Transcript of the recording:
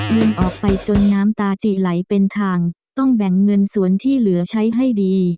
เงินออกไปจนน้ำตาจิไหลเป็นทางต้องแบ่งเงินส่วนที่เหลือใช้ให้ดี